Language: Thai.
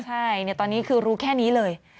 ใช่ตอนนี้คือรู้แค่นี้เลย